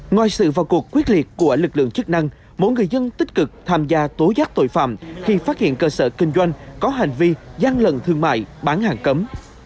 ngoài sự vào cuộc quyết liệt của lực lượng chức năng mỗi người dân tích cực tham gia tố giác tội phạm khi phát hiện cơ sở kinh doanh có hành vi gian lận thương mại bán hàng cấm